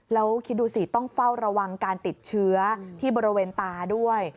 แล้วคิดดูสิต้องเฝ้าระวังการติดเชื้อที่บริเวณตาด้วย